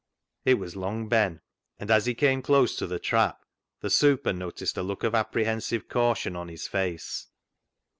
" It was Long Ben, and as he came close to the trap the " super " noticed a look of appre hensive caution on his face.